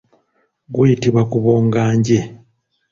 Guyitibwa kubonga nje.